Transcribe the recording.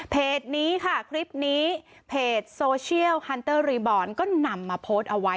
นี้ค่ะคลิปนี้เพจโซเชียลฮันเตอร์รีบอร์นก็นำมาโพสต์เอาไว้